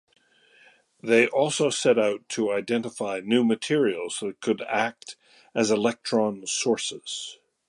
They also set out to identify new materials that could act as electron sources.